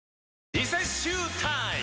リセッシュータイム！